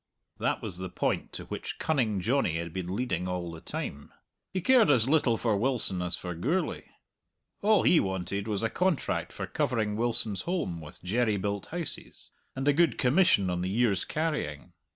That was the point to which Cunning Johnny had been leading all the time. He cared as little for Wilson as for Gourlay; all he wanted was a contract for covering Wilson's holm with jerry built houses, and a good commission on the year's carrying.